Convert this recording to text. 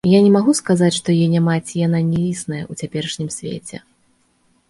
Я не магу сказаць, што яе няма ці яна не існая ў цяперашнім свеце.